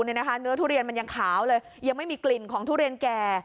เนื้อทุเรียนมันยังขาวเลยยังไม่มีกลิ่นของทุเรียนแก่